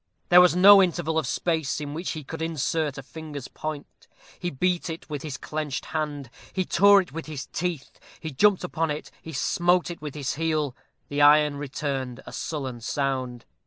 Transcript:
There was no interval of space in which he could insert a finger's point. He beat it with his clenched hand; he tore it with his teeth; he jumped upon it; he smote it with his heel. The iron returned a sullen sound.